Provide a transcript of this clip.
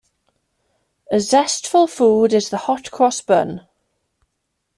A zestful food is the hot-cross bun.